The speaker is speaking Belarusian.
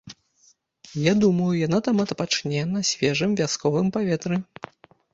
Я думаю, яна там адпачне на свежым вясковым паветры.